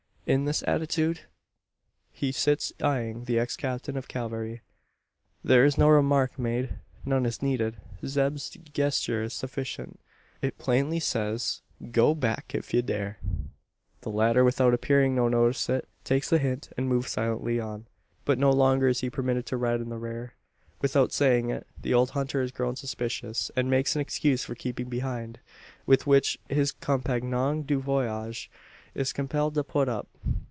In this attitude he sits eyeing the ex captain of cavalry. There is no remark made. None is needed. Zeb's gesture is sufficient. It plainly says: "Go back if ye dare!" The latter, without appearing to notice it, takes the hint; and moves silently on. But no longer is he permitted to ride in the rear. Without saying it, the old hunter has grown suspicious, and makes an excuse for keeping behind with which his compagnon du voyage is compelled to put up.